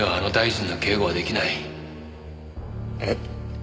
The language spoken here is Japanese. えっ？